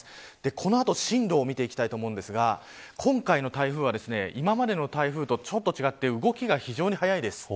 この後、進路を見ていきたいと思うんですが今回の台風は、今までの台風とちょっと違って動きが非常に速いです。